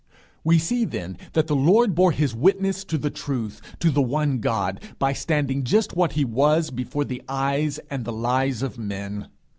We see, then, that the Lord bore his witness to the Truth, to the one God, by standing just what he was, before the eyes and the lies of men.